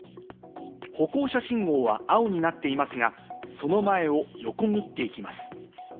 歩行者信号は青になっていますが、その前を横切っていきます。